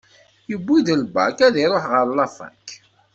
Yiwi-d lbak, ad iruḥ ɣer lafak